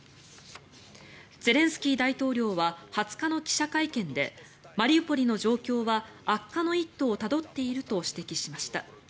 ゼレンスキー大統領は２０日の記者会見でマリウポリの状況は悪化の一途をたどっていると指摘しました。